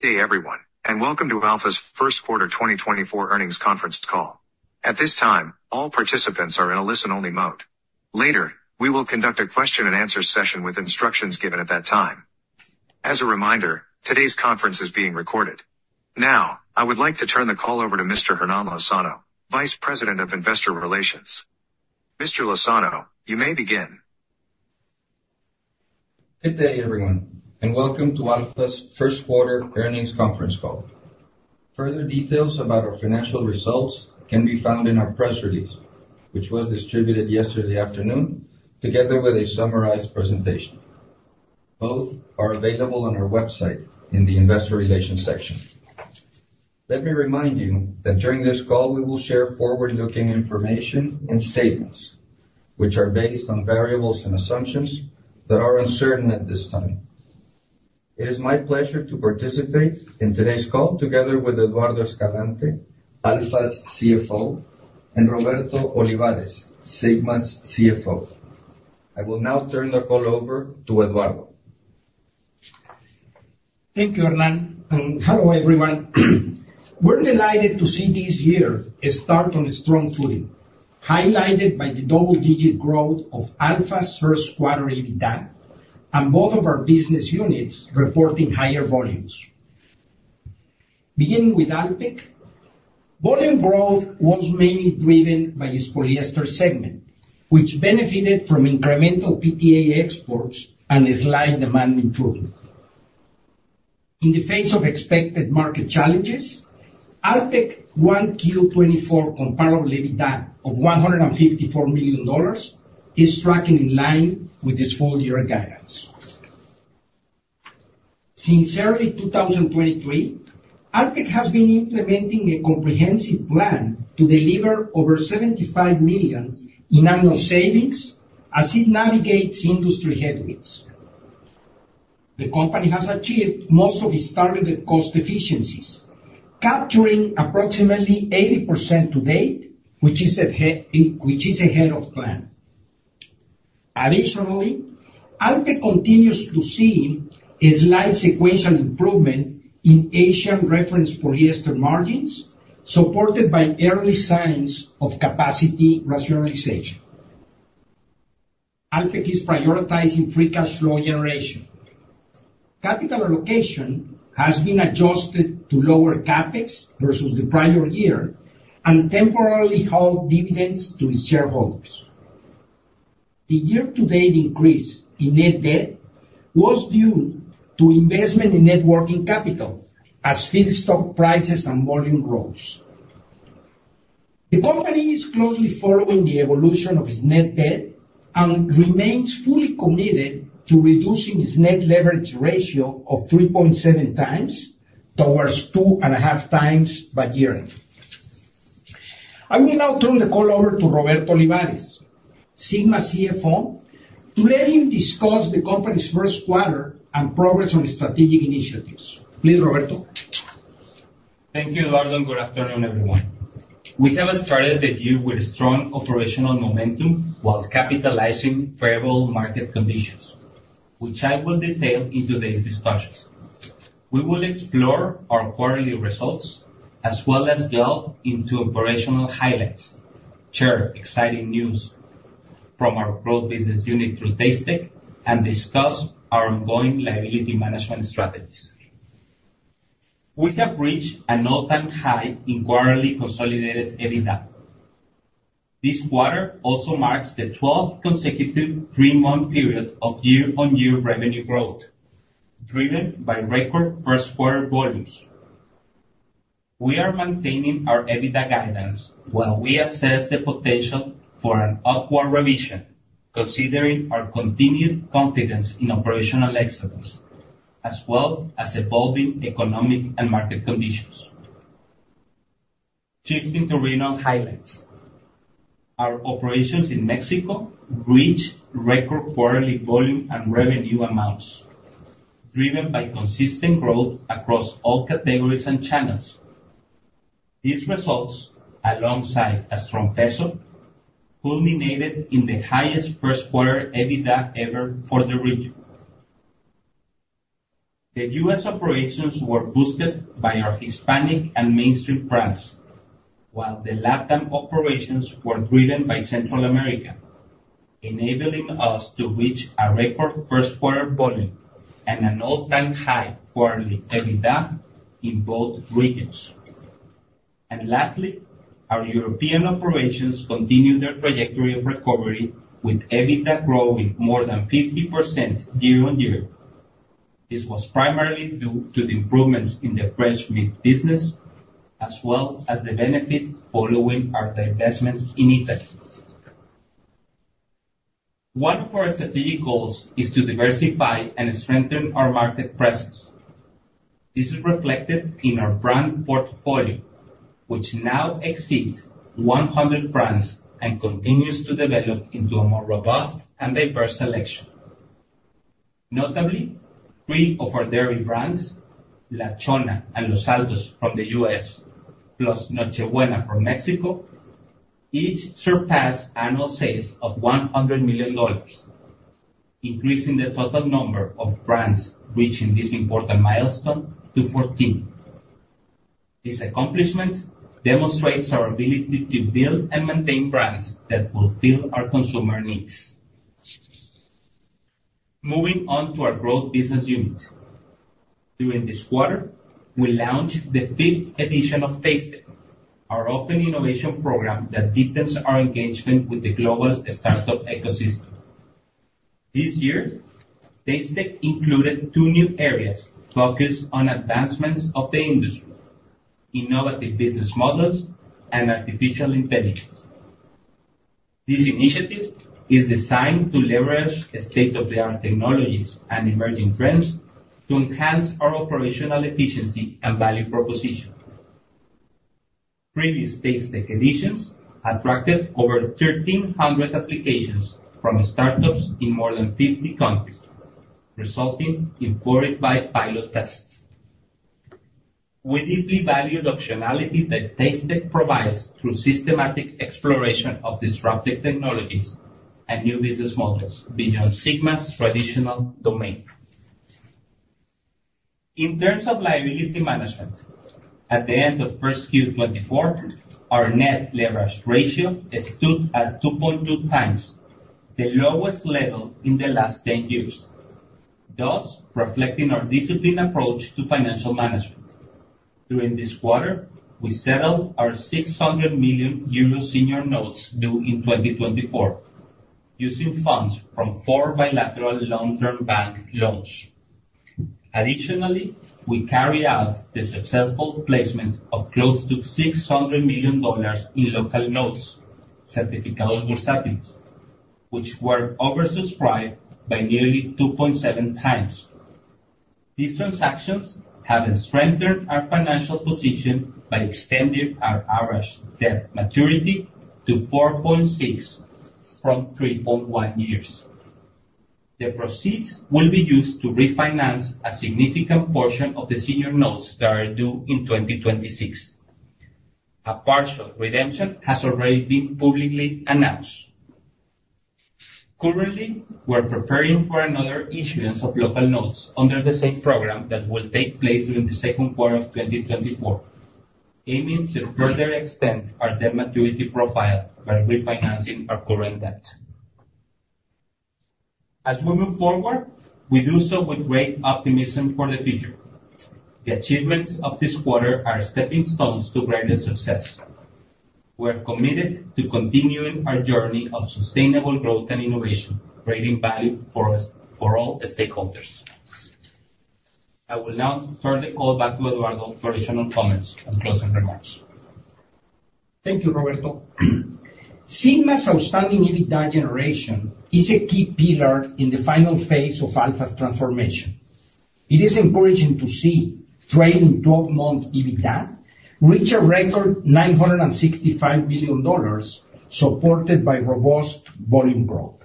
Hey everyone, and welcome to ALFA's first quarter 2024 earnings conference call. At this time, all participants are in a listen-only mode. Later, we will conduct a question and answer session with instructions given at that time. As a reminder, today's conference is being recorded. Now, I would like to turn the call over to Mr. Hernán Lozano, Vice President of Investor Relations. Mr. Lozano, you may begin. Good day, everyone, and welcome to ALFA's first quarter earnings conference call. Further details about our financial results can be found in our press release, which was distributed yesterday afternoon, together with a summarized presentation. Both are available on our website in the Investor Relations section. Let me remind you that during this call, we will share forward-looking information and statements, which are based on variables and assumptions that are uncertain at this time. It is my pleasure to participate in today's call together with Eduardo Escalante, ALFA's CFO, and Roberto Olivares, Sigma's CFO. I will now turn the call over to Eduardo. Thank you, Hernán, and hello, everyone. We're delighted to see this year start on a strong footing, highlighted by the double-digit growth of ALFA's first quarter EBITDA and both of our business units reporting higher volumes. Beginning with Alpek, volume growth was mainly driven by its polyester segment, which benefited from incremental PTA exports and a slight demand improvement. In the face of expected market challenges, Alpek 1Q 2024 comparable EBITDA of $154 million is tracking in line with its full year guidance. Since early 2023, Alpek has been implementing a comprehensive plan to deliver over $75 million in annual savings as it navigates industry headwinds. The company has achieved most of its targeted cost efficiencies, capturing approximately 80% to date, which is ahead of plan. Additionally, Alpek continues to see a slight sequential improvement in Asian reference polyester margins, supported by early signs of capacity rationalization. Alpek is prioritizing free cash flow generation. Capital allocation has been adjusted to lower CapEx versus the prior year and temporarily halt dividends to its shareholders. The year-to-date increase in net debt was due to investment in net working capital as feedstock prices and volume rose. The company is closely following the evolution of its net debt and remains fully committed to reducing its net leverage ratio of 3.7 times towards 2.5 times by year-end. I will now turn the call over to Roberto Olivares, Sigma's CFO, to let him discuss the company's first quarter and progress on strategic initiatives. Please, Roberto. Thank you, Eduardo, and good afternoon, everyone. We have started the year with strong operational momentum while capitalizing favorable market conditions, which I will detail in today's discussions. We will explore our quarterly results, as well as delve into operational highlights, share exciting news from our growth business unit, Tastech, and discuss our ongoing liability management strategies. We have reached an all-time high in quarterly consolidated EBITDA. This quarter also marks the 12th consecutive three-month period of year-on-year revenue growth, driven by record first quarter volumes. We are maintaining our EBITDA guidance while we assess the potential for an upward revision, considering our continued confidence in operational excellence, as well as evolving economic and market conditions. Shifting to regional highlights. Our operations in Mexico reached record quarterly volume and revenue amounts, driven by consistent growth across all categories and channels. These results, alongside a strong Mexican peso, culminated in the highest first quarter EBITDA ever for the region. The U.S. operations were boosted by our Hispanic and mainstream brands, while the LatAm operations were driven by Central America, enabling us to reach a record first quarter volume and an all-time high quarterly EBITDA in both regions. And lastly, our European operations continued their trajectory of recovery, with EBITDA growing more than 50% year-on-year. This was primarily due to the improvements in the fresh meat business, as well as the benefit following our divestment in Italy. One of our strategic goals is to diversify and strengthen our market presence. This is reflected in our brand portfolio, which now exceeds 100 brands and continues to develop into a more robust and diverse selection. Notably, three of our dairy brands, La Chona and Los Altos from the U.S., plus Nochebuena from Mexico, each surpassed annual sales of $100 million, increasing the total number of brands reaching this important milestone to 14. This accomplishment demonstrates our ability to build and maintain brands that fulfill our consumer needs. Moving on to our growth business unit. During this quarter, we launched the fifth edition of Tastech, our open innovation program that deepens our engagement with the global startup ecosystem. This year, Tastech included two new areas focused on advancements of the industry, innovative business models, and artificial intelligence. This initiative is designed to leverage state-of-the-art technologies and emerging trends to enhance our operational efficiency and value proposition. Previous Tastech editions attracted over 1,300 applications from startups in more than 50 countries, resulting in 45 pilot tests. We deeply value the optionality that Tastech provides through systematic exploration of disruptive technologies and new business models beyond Sigma's traditional domain. In terms of liability management, at the end of first Q 2024, our net leverage ratio stood at 2.2x, the lowest level in the last 10 years, thus reflecting our disciplined approach to financial management. During this quarter, we settled our 600 million euro senior notes due in 2024, using funds from four bilateral long-term bank loans. Additionally, we carry out the successful placement of close to $600 million in local notes, Certificados Bursátiles, which were oversubscribed by nearly 2.7x. These transactions have strengthened our financial position by extending our average debt maturity to 4.6 from 3.1 years. The proceeds will be used to refinance a significant portion of the senior notes that are due in 2026. A partial redemption has already been publicly announced. Currently, we're preparing for another issuance of local notes under the same program that will take place during the second quarter of 2024, aiming to further extend our debt maturity profile by refinancing our current debt. As we move forward, we do so with great optimism for the future. The achievements of this quarter are stepping stones to greater success. We're committed to continuing our journey of sustainable growth and innovation, creating value for us, for all stakeholders. I will now turn the call back to Eduardo for additional comments and closing remarks. Thank you, Roberto. Sigma's outstanding EBITDA generation is a key pillar in the final phase of ALFA's transformation. It is encouraging to see trailing 12 month EBITDA reach a record $965 million, supported by robust volume growth.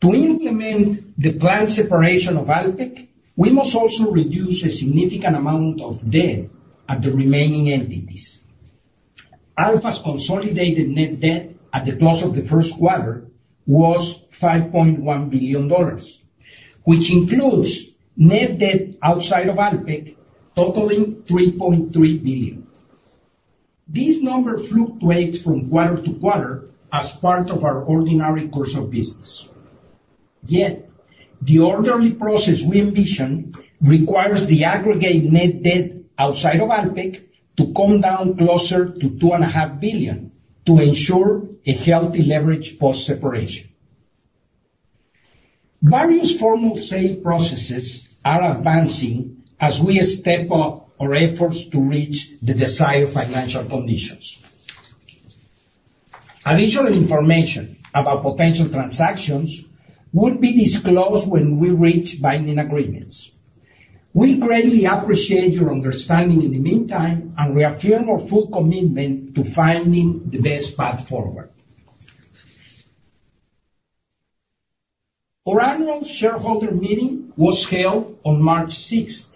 To implement the planned separation of Alpek, we must also reduce a significant amount of debt at the remaining entities. ALFA's consolidated net debt at the close of the first quarter was $5.1 billion, which includes net debt outside of Alpek, totaling $3.3 billion. This number fluctuates from quarter to quarter as part of our ordinary course of business. Yet, the orderly process we envision requires the aggregate net debt outside of Alpek to come down closer to $2.5 billion, to ensure a healthy leverage post-separation. Various formal sale processes are advancing as we step up our efforts to reach the desired financial conditions. Additional information about potential transactions would be disclosed when we reach binding agreements. We greatly appreciate your understanding in the meantime, and reaffirm our full commitment to finding the best path forward. Our annual shareholder meeting was held on March 6.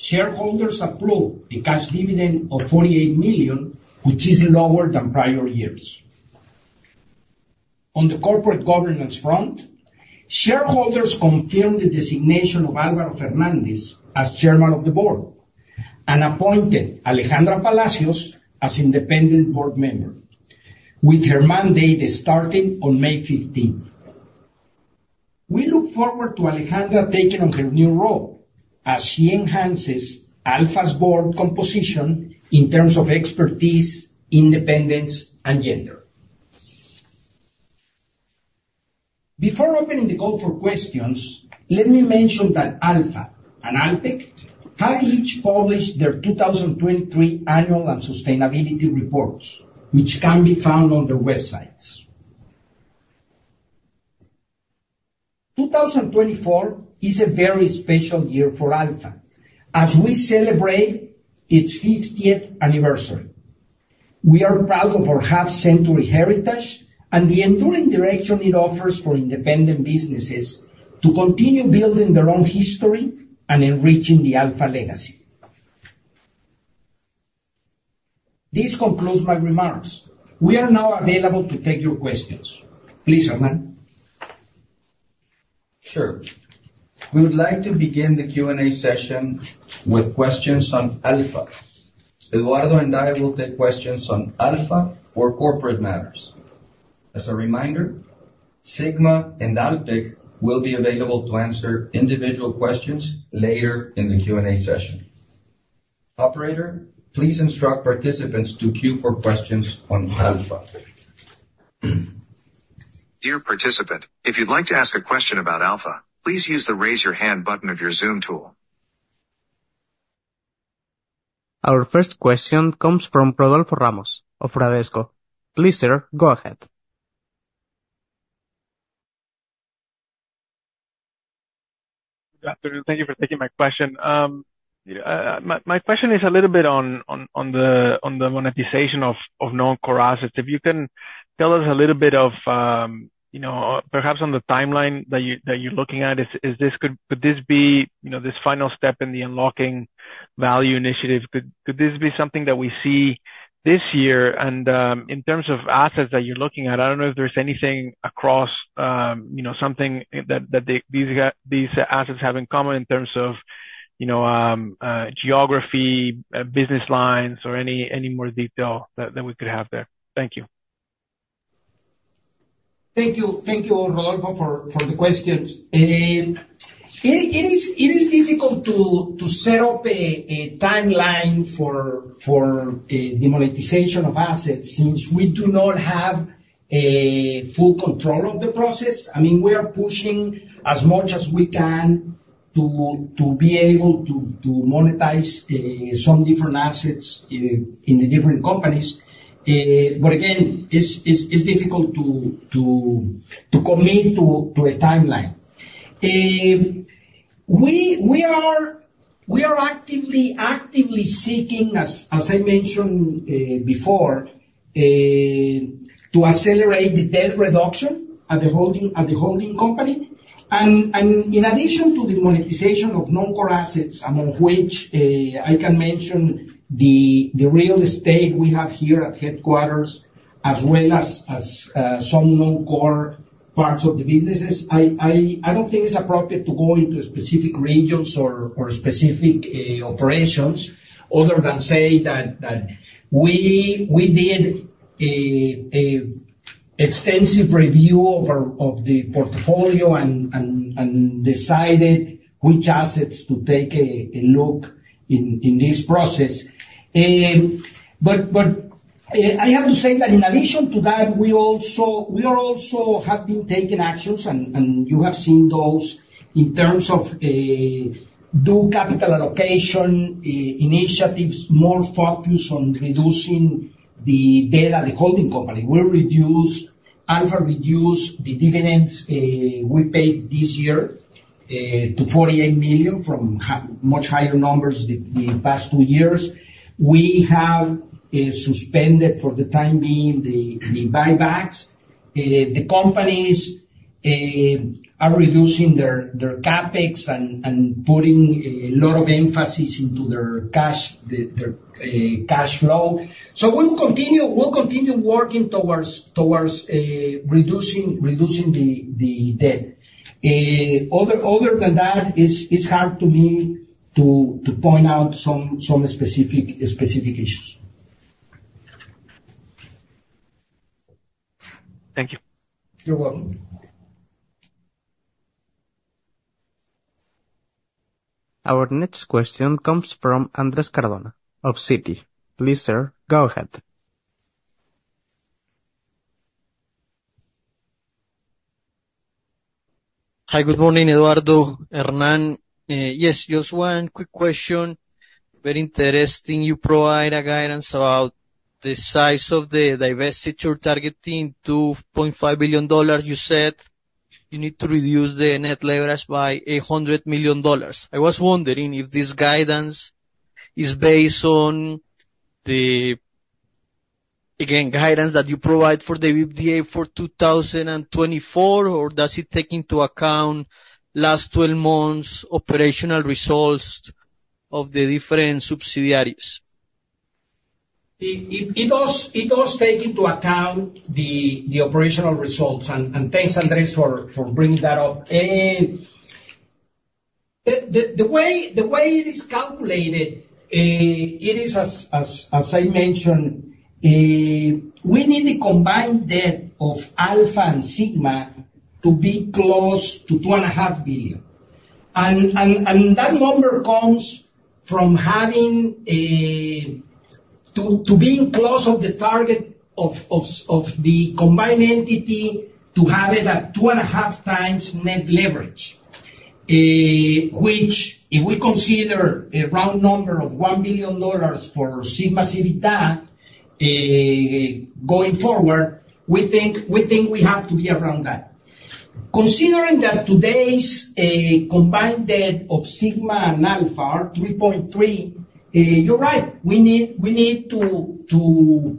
Shareholders approved a cash dividend of $48 million, which is lower than prior years. On the corporate governance front, shareholders confirmed the designation of Álvaro Fernández as chairman of the board, and appointed Alejandra Palacios as independent board member, with her mandate starting on May 15. We look forward to Alejandra taking on her new role as she enhances ALFA's board composition in terms of expertise, independence, and gender. Before opening the call for questions, let me mention that ALFA and Alpek have each published their 2023 annual and sustainability reports, which can be found on their websites. 2024 is a very special year for ALFA as we celebrate its fiftieth anniversary. We are proud of our half-century heritage and the enduring direction it offers for independent businesses to continue building their own history and enriching the ALFA legacy. This concludes my remarks. We are now available to take your questions. Please, Hernán. Sure. We would like to begin the Q&A session with questions on ALFA. Eduardo and I will take questions on ALFA or corporate matters. As a reminder, Sigma and Alpek will be available to answer individual questions later in the Q&A session. Operator, please instruct participants to queue for questions on ALFA. Dear participant, if you'd like to ask a question about ALFA, please use the Raise Your Hand button of your Zoom tool. Our first question comes from Rodolfo Ramos of Bradesco. Please, sir, go ahead. Good afternoon. Thank you for taking my question. My question is a little bit on the monetization of non-core assets. If you can tell us a little bit of you know, perhaps on the timeline that you're looking at, is this could this be you know, this final step in the unlocking value initiative? Could this be something that we see this year? And in terms of assets that you're looking at, I don't know if there's anything across you know, something that these assets have in common in terms of you know, geography, business lines, or any more detail that we could have there. Thank you. Thank you. Thank you, Rodolfo, for the questions. It is difficult to set up a timeline for the monetization of assets, since we do not have a full control of the process. I mean, we are pushing as much as we can to be able to monetize some different assets in the different companies. But again, it's difficult to commit to a timeline. We are actively seeking, as I mentioned before, to accelerate the debt reduction at the holding company. And in addition to the monetization of non-core assets, among which I can mention the real estate we have here at headquarters, as well as some non-core parts of the businesses. I don't think it's appropriate to go into specific regions or specific operations, other than say that we did an extensive review of our portfolio and decided which assets to take a look in this process. But I have to say that in addition to that, we also have been taking actions, and you have seen those in terms of due capital allocation initiatives, more focused on reducing the debt at the holding company. ALFA reduced the dividends we paid this year to $48 million from much higher numbers the past two years. We have suspended, for the time being, the buybacks. The companies are reducing their CapEx and putting a lot of emphasis into their cash flow. So we'll continue working towards reducing the debt. Other than that, it's hard to me to point out some specific issues. Thank you. You're welcome. Our next question comes from Andres Cardona of Citi. Please, sir, go ahead. Hi. Good morning, Eduardo, Hernán. Yes, just one quick question. Very interesting you provide a guidance about the size of the divestiture, targeting $2.5 billion you said. You need to reduce the net leverage by $100 million. I was wondering if this guidance is based on the, again, guidance that you provide for the EBITDA for 2024, or does it take into account last 12 months' operational results of the different subsidiaries? It does take into account the operational results. And thanks, Andres, for bringing that up. The way it is calculated, it is as I mentioned, we need the combined debt of ALFA and Sigma to be close to $2.5 billion. And that number comes from having to be close to the target of the combined entity, to have it at 2.5 times net leverage, which if we consider a round number of $1 billion for Sigma EBITDA, going forward, we think we have to be around that. Considering that today's combined debt of Sigma and ALFA are $3.3 billion, you're right, we need to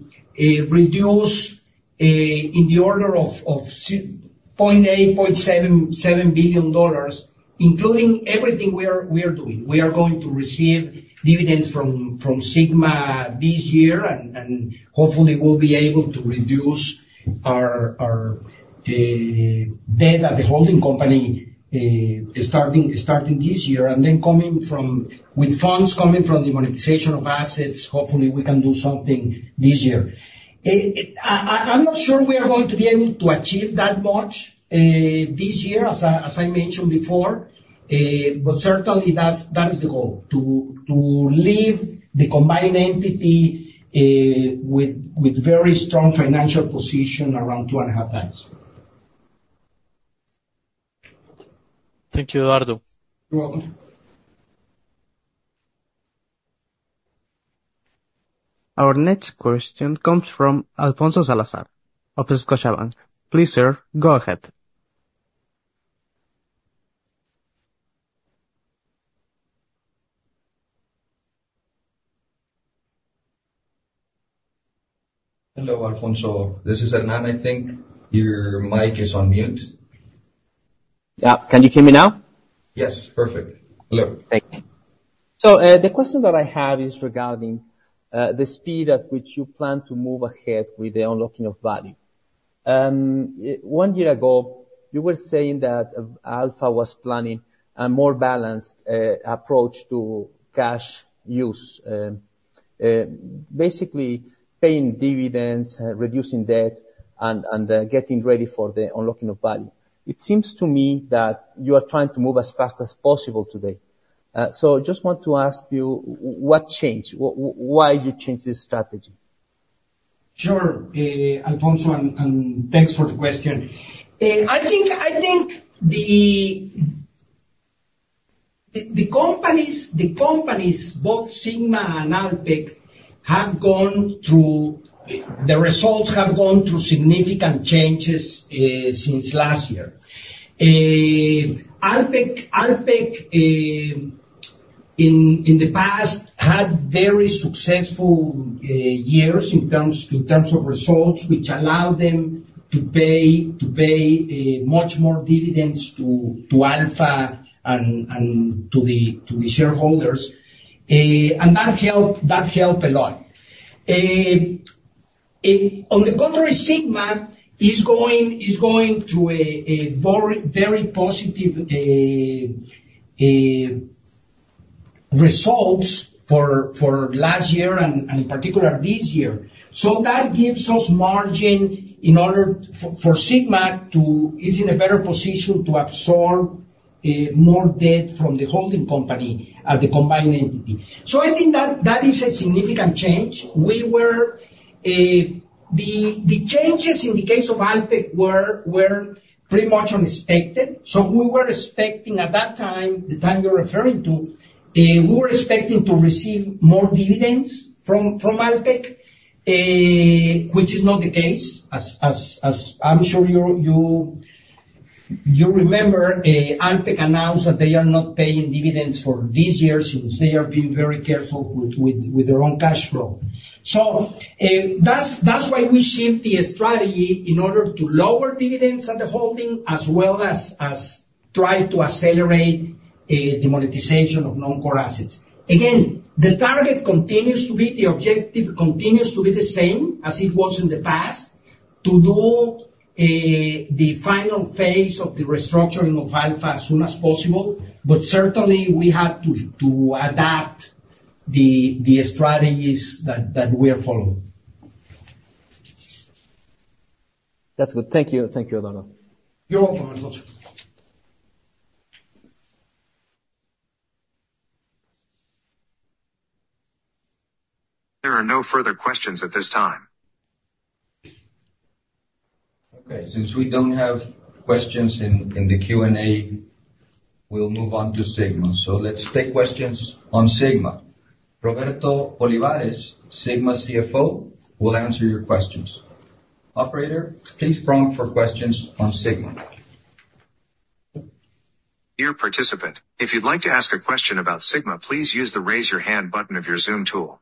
reduce in the order of $6.877 billion, including everything we are doing. We are going to receive dividends from Sigma this year, and hopefully we'll be able to reduce our debt at the holding company, starting this year, and then with funds coming from the monetization of assets, hopefully we can do something this year. I'm not sure we are going to be able to achieve that much this year, as I mentioned before, but certainly that is the goal, to leave the combined entity with very strong financial position around 2.5x. Thank you, Eduardo. You're welcome. Our next question comes from Alfonso Salazar of Scotiabank. Please, sir, go ahead. Hello, Alfonso, this is Hernán. I think your mic is on mute. Yeah. Can you hear me now? Yes, perfect. Hello. Thank you. So, the question that I have is regarding the speed at which you plan to move ahead with the unlocking of value. One year ago, you were saying that ALFA was planning a more balanced approach to cash use. Basically paying dividends, reducing debt, and getting ready for the unlocking of value. It seems to me that you are trying to move as fast as possible today. So just want to ask you, what changed? Why you changed this strategy? Sure, Alfonso, and thanks for the question. I think the companies, both Sigma and Alpek, have gone through. The results have gone through significant changes since last year. Alpek, in the past, had very successful years in terms of results, which allowed them to pay much more dividends to ALFA and to the shareholders. And that helped a lot. On the contrary, Sigma is going through a very positive results for last year and in particular this year. So that gives us margin in order for Sigma to. Is in a better position to absorb more debt from the holding company at the combined entity. So I think that is a significant change. We were. The changes in the case of Alpek were pretty much unexpected. So we were expecting, at that time, the time you're referring to, we were expecting to receive more dividends from Alpek, which is not the case. As I'm sure you remember, Alpek announced that they are not paying dividends for this year, since they are being very careful with their own cash flow. So, that's why we shift the strategy, in order to lower dividends at the holding, as well as try to accelerate the monetization of non-core assets. Again, the target continues to be, the objective continues to be the same as it was in the past, to do the final phase of the restructuring of ALFA as soon as possible. But certainly we had to adapt the strategies that we are following. That's good. Thank you. Thank you, Eduardo. You're welcome, Alfonso. There are no further questions at this time. Okay, since we don't have questions in the Q&A, we'll move on to Sigma. So let's take questions on Sigma. Roberto Olivares, Sigma CFO, will answer your questions. Operator, please prompt for questions on Sigma. Dear participant, if you'd like to ask a question about Sigma, please use the Raise Your Hand button of your Zoom tool.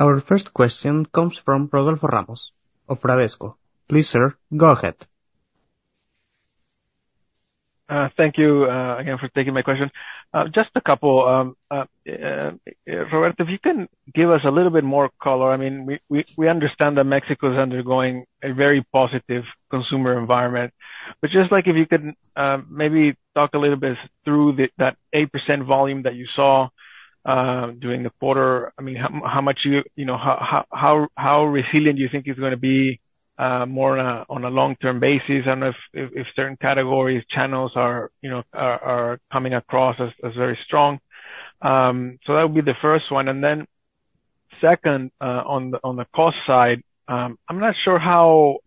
Our first question comes from Rodolfo Ramos of Bradesco. Please, sir, go ahead. Thank you again for taking my question. Just a couple, Roberto, if you can give us a little bit more color. I mean, we understand that Mexico is undergoing a very positive consumer environment. But just, like, if you can maybe talk a little bit through that 8% volume that you saw during the quarter. I mean, how much, you know, how resilient do you think it's gonna be more on a long-term basis, and if certain categories, channels are, you know, coming across as very strong? So that would be the first one. And then, second, on the cost side, I'm not sure how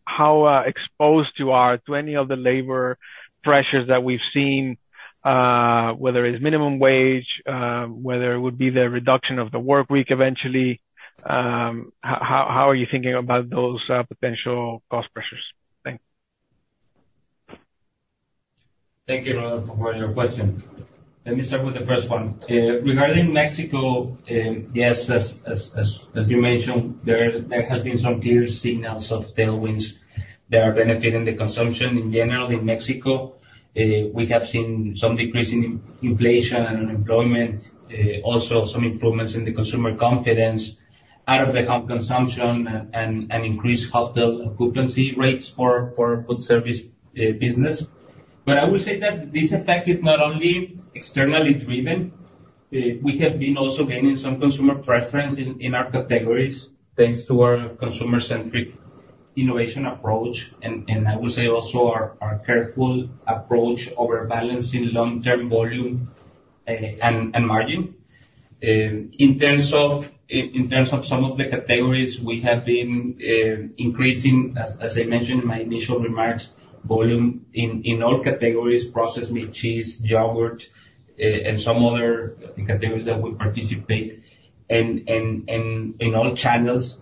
exposed you are to any of the labor pressures that we've seen whether it's minimum wage, whether it would be the reduction of the work week eventually, how are you thinking about those potential cost pressures? Thanks. Thank you, Ronald, for your question. Let me start with the first one. Regarding Mexico, yes, as you mentioned, there has been some clear signals of tailwinds that are benefiting the consumption in general in Mexico. We have seen some decrease in inflation and unemployment, also some improvements in the consumer confidence out of the home consumption and increased hotel occupancy rates for food service business. But I will say that this effect is not only externally driven. We have been also gaining some consumer preference in our categories, thanks to our consumer-centric innovation approach, and I would say also our careful approach over balancing long-term volume and margin. In terms of some of the categories, we have been increasing, as I mentioned in my initial remarks, volume in all categories: processed meat, cheese, yogurt, and some other categories that we participate, and in all channels.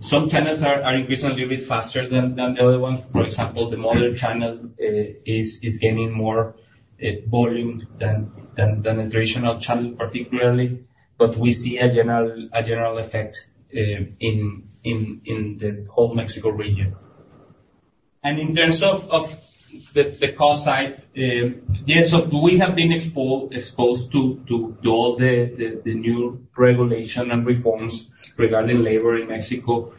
Some channels are increasing a little bit faster than the other ones. For example, the modern channel is gaining more volume than the traditional channel, particularly, but we see a general effect in the whole Mexico region. And in terms of the cost side, yes, so we have been exposed to all the new regulation and reforms regarding labor in Mexico.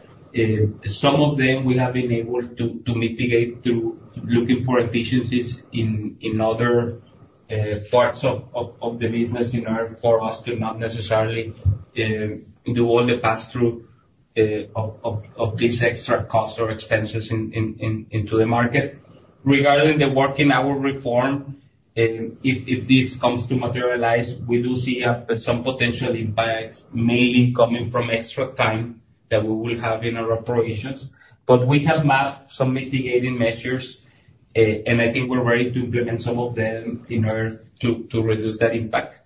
Some of them we have been able to mitigate through looking for efficiencies in other parts of the business in order for us to not necessarily do all the pass-through of this extra cost or expenses into the market. Regarding the working hour reform, if this comes to materialize, we do see some potential impacts, mainly coming from extra time that we will have in our operations. But we have mapped some mitigating measures, and I think we're ready to implement some of them in order to reduce that impact.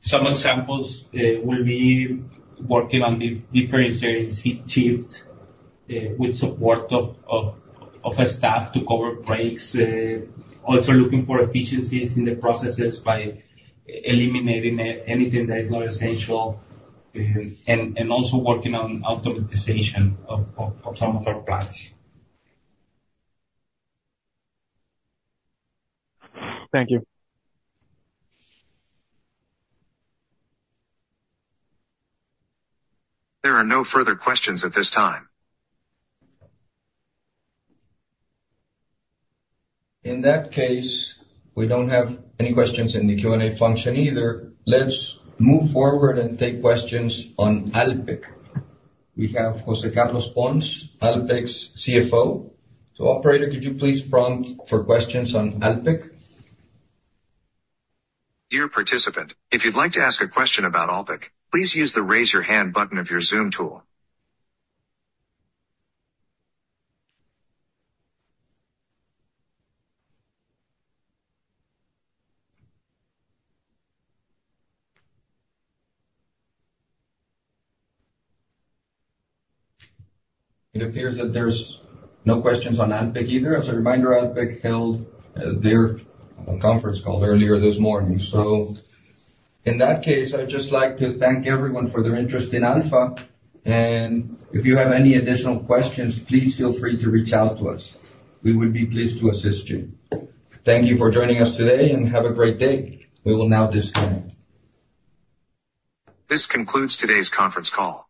Some examples will be working on the different shifts with support of a staff to cover breaks, also looking for efficiencies in the processes by eliminating anything that is not essential, and also working on automation of some of our plants. Thank you. There are no further questions at this time. In that case, we don't have any questions in the Q&A function either. Let's move forward and take questions on Alpek. We have José Carlos Pons, Alpek's CFO. So Operator, could you please prompt for questions on Alpek? Dear participant, if you'd like to ask a question about Alpek, please use the Raise Your Hand button of your Zoom tool. It appears that there's no questions on Alpek either. As a reminder, Alpek held their conference call earlier this morning. So in that case, I'd just like to thank everyone for their interest in ALFA, and if you have any additional questions, please feel free to reach out to us. We would be pleased to assist you. Thank you for joining us today, and have a great day. We will now disconnect. This concludes today's conference call.